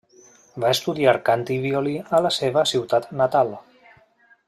Va estudiar cant i violí a la seva ciutat natal.